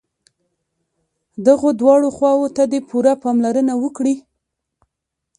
دغو دواړو خواوو ته دې پوره پاملرنه وکړي.